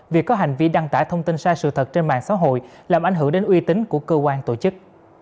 vì có hành vi đăng tải thông tin sai sự thật trên mạng xã hội làm ảnh hưởng đến uy tín của cơ quan tổ chức